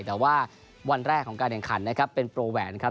แต่ว่าวันแรกของการแข่งขันนะครับเป็นโปรแหวนครับ